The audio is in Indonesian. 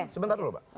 sebentar dulu pak